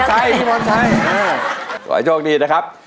ขอให้เจอประตูดีนะครับ